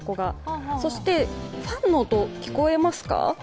そしてファンの音、聞こえますか？